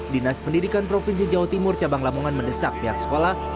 dinas pendidikan provinsi jawa timur cabang lamongan mendesak pihak sekolah